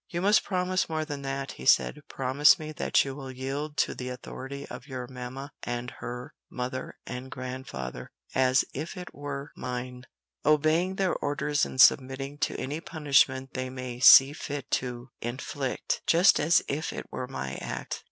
"You must promise more than that," he said; "promise me that you will yield to the authority of your mamma and her mother and grandfather as if it were mine; obeying their orders and submitting to any punishment they may see fit to inflict, just as if it were my act."